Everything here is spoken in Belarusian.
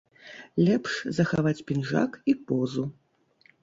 Лепш захаваць пінжак і позу.